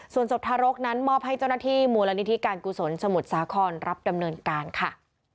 ส่วนศพทารกนั้นมอบให้เจ้าหน้าที่มูลนิธิการกุศลสมุทรสาครรับดำเนินการค่ะ